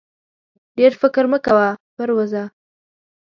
ډېر فکر مه کوه پر ورځه!